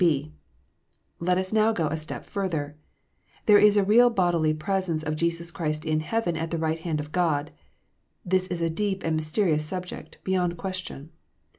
(b) Let us now go a step further. There is a real bodily presence of Jesus Christ in heaven at the right hand of God. This is a deep and mysterious subject, beyond question.